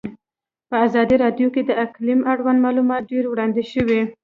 په ازادي راډیو کې د اقلیم اړوند معلومات ډېر وړاندې شوي.